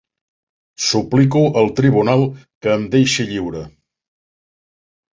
Suplico al Tribunal que em deixi lliure.